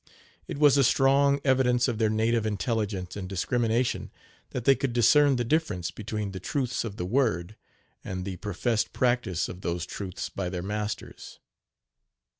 It was a strong evidence of their native intelligence and discrimination that they could discern the difference between the truths of the "word" and the professed practice of those truths by their masters.